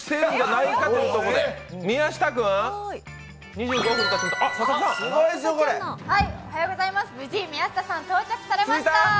無事、宮下さん到着されました。